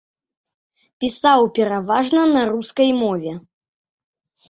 Пісаў пераважна на рускай мове.